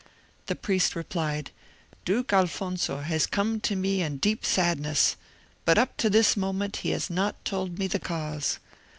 The priest replied, "Duke Alfonso has come to me in deep sadness, but up to this moment he has not told me the cause.